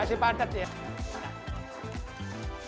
masih padat ya